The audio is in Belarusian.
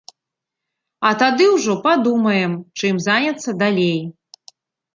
А тады ўжо падумаем чым заняцца далей.